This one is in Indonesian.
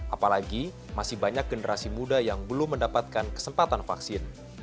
apalagi masih banyak generasi muda yang belum mendapatkan kesempatan vaksin